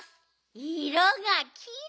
いろがきれい！